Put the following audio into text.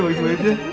bagus banget ya